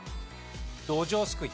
どじょうすくい。